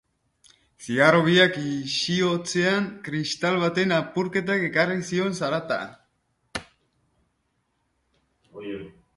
Zigarro biak isiotzean, kristal baten apurketak ekarri zion zarata.